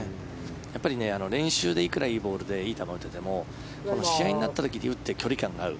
やっぱり練習でいくらいい球を打てても試合になった時に打って、距離感が合う。